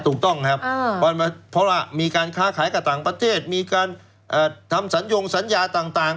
ถูกต้องครับเพราะว่ามีการค้าขายกับต่างประเทศมีการทำสัญญงสัญญาต่าง